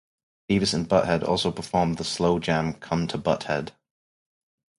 Beavis and Butt-Head also performed the slow jam "Come to Butt-Head".